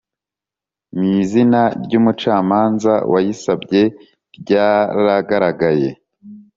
n izina ry umucamanza wayisabye ryaragaragaye